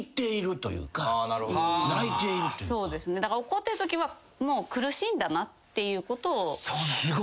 怒ってるときはもう苦しいんだなっていうことを。